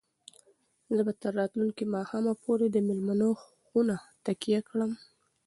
زه به تر راتلونکي ماښامه پورې د مېلمنو خونه تکیه کړم.